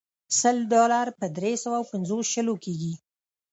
سل ډالر په درې سوه پنځوس شلو کېږي.